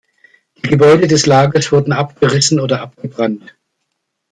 Die Gebäude des Lagers wurden abgerissen oder abgebrannt.